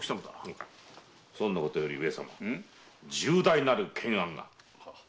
そんなことより上様重大なる懸案が。